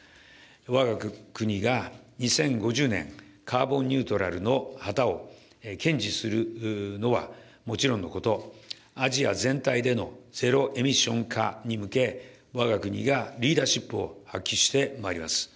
わが国が、２０５０年カーボンニュートラルの旗を堅持するのはもちろんのこと、アジア全体でのゼロエミッション化に向け、わが国がリーダーシップを発揮してまいります。